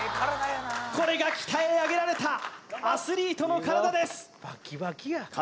これが鍛え上げられたアスリートの体ですか